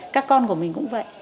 các con của mình cũng vậy